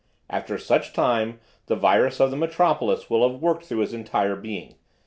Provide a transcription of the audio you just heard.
After such time the virus of the metropolis will have worked through his entire being.